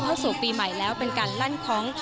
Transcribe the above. พระศูนย์ปีใหม่แล้วเป็นการลั่นคล้อง